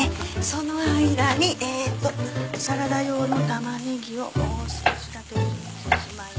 その間にえとサラダ用のタマネギをもう少しだけ切ってしまいましょ。